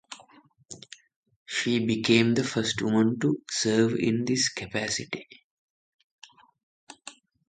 She became the first woman to serve in this capacity.